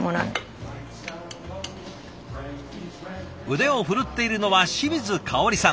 腕を振るっているのは清水かおりさん。